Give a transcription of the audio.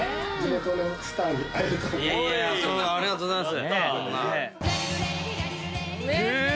ありがとうございます。